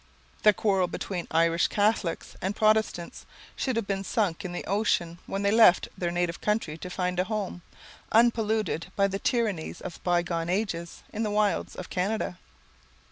The old quarrel between Irish Catholics and Protestants should have been sunk in the ocean when they left their native country to find a home, unpolluted by the tyrannies of bygone ages, in the wilds of Canada.